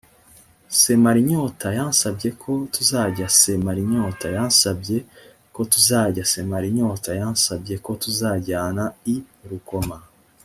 semarinyota yansabye ko tuzajya semarinyota yansabye ko tuzajya semarinyota yansabye ko tuzajyana i rukoma